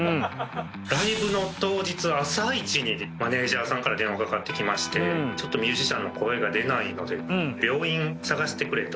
ライブの当日朝一にマネジャーさんから電話かかってきましてちょっとミュージシャンの声が出ないので病院を探してくれと。